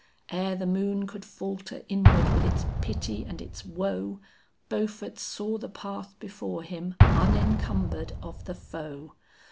Ere the moon could falter inward with its pity and its woe, Beaufort saw the path before him unencumbered of the foe.